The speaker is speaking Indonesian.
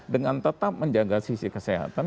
dengan tetap menjaga sisi kesehatan